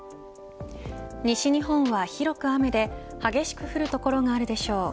西日本は広く雨で激しく降る所があるでしょう。